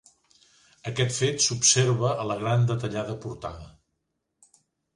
Aquest fet s'observa a la gran detallada portada.